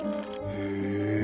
へえ。